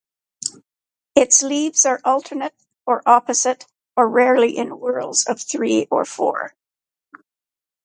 Its leaves are alternate or opposite or rarely in whorls of three or four.